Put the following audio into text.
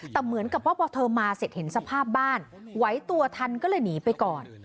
แต่เหมือนกับว่าพอเธอมาเสร็จเห็นสภาพบ้านไหวตัวทันก็เลยหนีไปก่อน